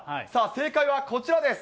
正解はこちらです。